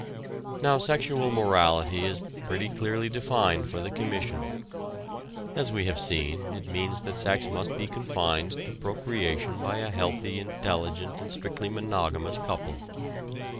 Now sexual morality is pretty clearly defined for the Commission. As we have seen, it means that sex must be confined to procreation by a healthy, intelligent and strictly monogamous couple.